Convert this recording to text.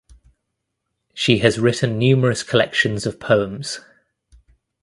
She has written numerous collections of poems.